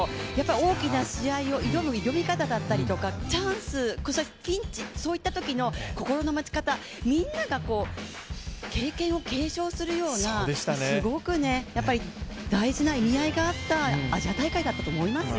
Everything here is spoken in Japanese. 大きな試合に挑む挑み方だったりとかチャンス、ピンチ、そういったときの心の持ち方みんなが経験を継承するようなすごく大事な意味合いがあったアジア大会だったと思いますよ。